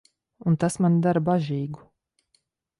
Un tas mani dara bažīgu.